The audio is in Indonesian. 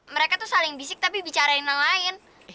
mereka tuh saling bisik tapi bicara yang lain